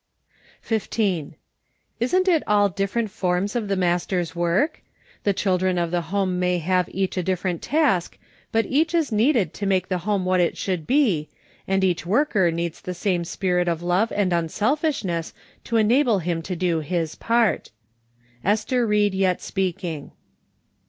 APRIL. 43 15. Isn't it all different forms of tlie Master's work ? The children of the home may have each a different task, but each is needed to make the home what it should be, and each worker needs the same spirit of love and unselfishness to enable him to do his part. Ester Hied Yet Speaking.